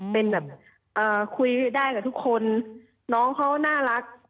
เป็นแบบคุยได้กับทุกคนน้องเขาน่ารัก